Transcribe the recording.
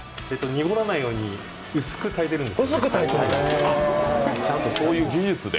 濁らないように薄く炊いているんです。